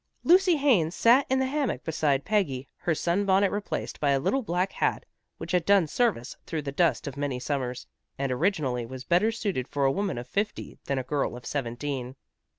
Lucy Haines sat in the hammock beside Peggy, her sunbonnet replaced by a little black hat, which had done service through the dust of many summers, and originally was better suited for a woman of fifty than a girl of seventeen.